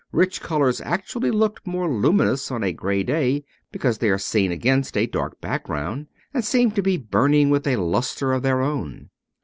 Rich colours actually look more luminous on a grey day, because they are seen against a dark background, and seem to be burning with a lustre of their own.